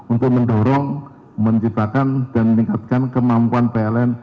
untuk mendorong menciptakan dan meningkatkan kemampuan pln